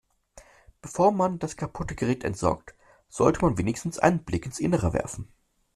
Bevor man das kaputte Gerät entsorgt, sollte man wenigstens einen Blick ins Innere werfen.